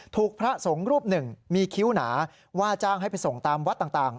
พระสงฆ์รูปหนึ่งมีคิ้วหนาว่าจ้างให้ไปส่งตามวัดต่าง